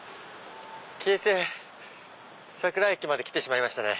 京成佐倉駅まで来てしまいましたね。